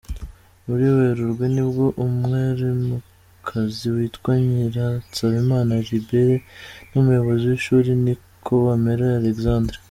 Muri Werurwe nibwo umwarimukazi witwa Nyiransabimana Liberée n’Umuyobozi w’ishuri Nikobamera Alexandre.